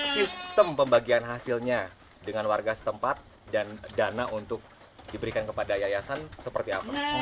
sistem pembagian hasilnya dengan warga setempat dan dana untuk diberikan kepada yayasan seperti apa